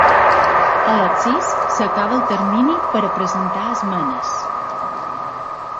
A les sis s’acabava el termini per a presentar esmenes.